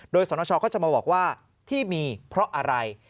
โดยสนชก็จะมาบอกว่าที่มีเพราะอะไร